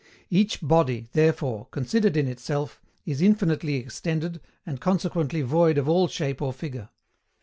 EACH BODY THEREFORE, CONSIDERED IN ITSELF, IS INFINITELY EXTENDED, AND CONSEQUENTLY VOID OF ALL SHAPE OR FIGURE.